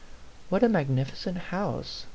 " What a magnificent house !"